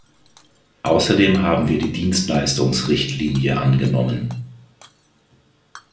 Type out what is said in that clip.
Außerdem haben wir die Dienstleistungsrichtlinie angenommen.